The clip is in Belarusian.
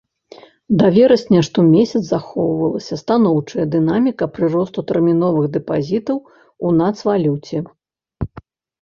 Да верасня штомесяц захоўвалася станоўчая дынаміка прыросту тэрміновых дэпазітаў у нацвалюце.